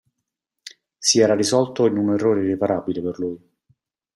Si era risolto in un errore irreparabile per lui.